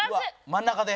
真ん中で。